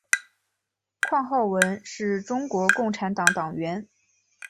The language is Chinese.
况浩文是中国共产党党员。